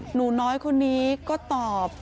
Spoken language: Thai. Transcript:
หนูน้อยคนนี้ก็ตอบ